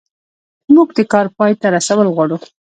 موږ د کار پای ته رسول غواړو.